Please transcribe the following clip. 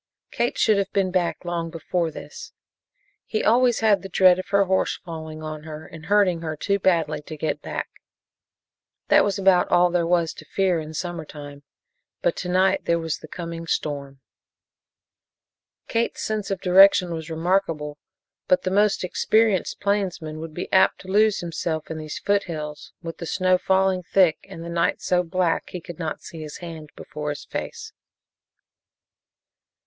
Kate should have been back long before this. He always had a dread of her horse falling on her and hurting her too badly to get back. That was about all there was to fear in summer time, but to night there was the coming storm. Kate's sense of direction was remarkable, but the most experienced plainsman would be apt to lose himself in these foothills, with the snow falling thick and the night so black he could not see his hand before his face.